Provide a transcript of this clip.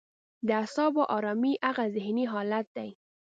د اعصابو ارامي هغه ذهني حالت دی.